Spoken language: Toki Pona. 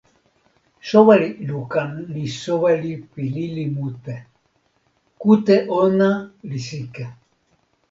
soweli Lukan li soweli pi lili mute. kute ona li sike.